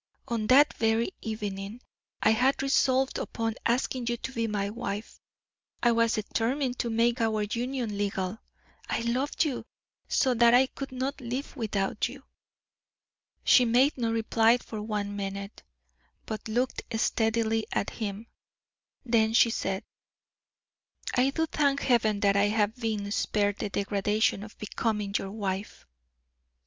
On that very evening I had resolved upon asking you to be my wife. I was determined to make our union legal. I loved you so that I could not live without you." She made no reply for one minute, but looked steadily at him: then she said: "I do thank Heaven that I have been spared the degradation of becoming your wife."